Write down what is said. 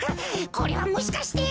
これはもしかして！